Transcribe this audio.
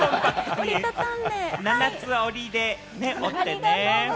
７つ折りで折ってね。